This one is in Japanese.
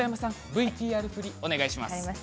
ＶＴＲ振りをお願いします。